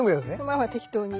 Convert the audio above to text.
まあまあ適当に。